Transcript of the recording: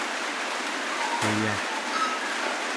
puya